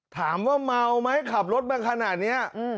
ถามว่าเมาไหมขับรถมาขนาดนี้